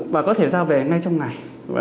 và có thể ra về ngay trong ngày